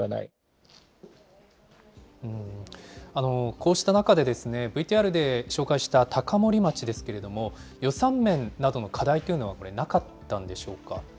こうした中で、ＶＴＲで紹介した高森町ですけれども、予算面などの課題というのはこれ、なかったんでしょうか。